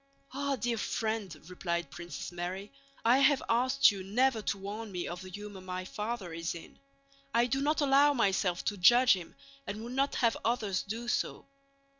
"Ah, dear friend," replied Princess Mary, "I have asked you never to warn me of the humor my father is in. I do not allow myself to judge him and would not have others do so."